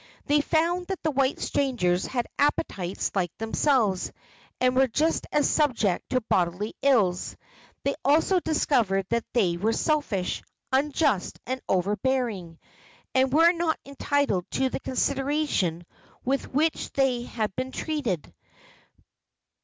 They found that the white strangers had appetites like themselves, and were just as subject to bodily ills. They also discovered that they were selfish, unjust and overbearing, and were not entitled to the consideration with which they had been treated.